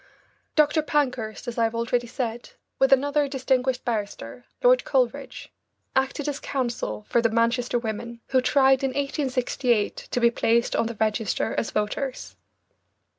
Dr. Pankhurst, as I have already said, with another distinguished barrister, Lord Coleridge, acted as counsel for the Manchester women, who tried in 1868 to be placed on the register as voters.